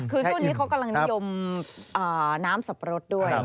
คือต้นนี้เขากำลังนิยมน้ำสับปะรดด้วย